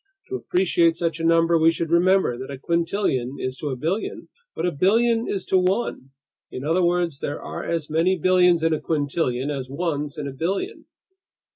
To appreciate such a number, we should remember that a quintillion is to a billion what a billion is to one, in other words, there are as many billions in a quintillion as ones in a billion!